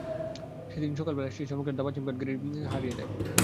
সেটি একদিন সকালবেলা সে সময়কার দাবার চ্যাম্পিয়ন গ্যারি কাসপারভকে হারিয়ে দেয়।